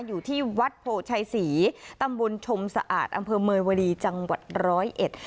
อยู่ที่วัดโพชัยศรีตำบลชมสะอาดอำเภอเมยวดีจังหวัดร้อยเอ็ด